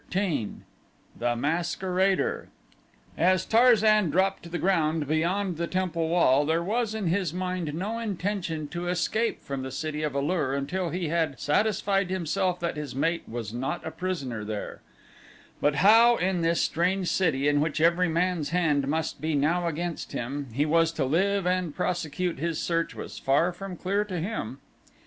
13 The Masquerader As Tarzan dropped to the ground beyond the temple wall there was in his mind no intention to escape from the City of A lur until he had satisfied himself that his mate was not a prisoner there, but how, in this strange city in which every man's hand must be now against him, he was to live and prosecute his search was far from clear to him.